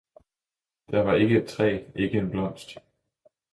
der var ikke et træ, ikke en blomst.